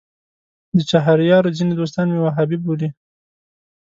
د چهاریارو ځینې دوستان مې وهابي بولي.